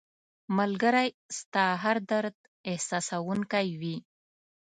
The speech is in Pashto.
ملګری ستا هر درد احساسوونکی وي